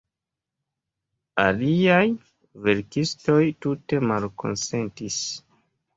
Aliaj verkistoj tute malkonsentis.